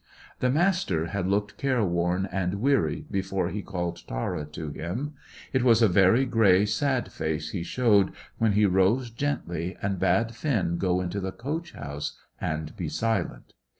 The Master had looked careworn and weary before he called Tara to him. It was a very grey, sad face he showed when he rose gently and bade Finn go into the coach house and be silent.